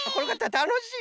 たのしい！